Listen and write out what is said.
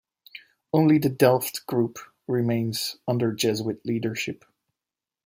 Only the Delft group remains under Jesuit leadership.